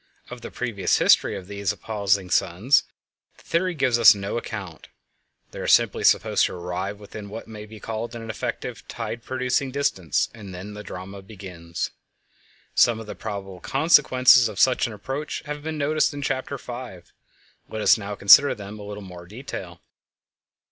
Of the previous history of these appulsing suns the theory gives us no account; they are simply supposed to arrive within what may be called an effective tide producing distance, and then the drama begins. Some of the probable consequences of such an approach have been noticed in Chapter 5; let us now consider them a little more in detail.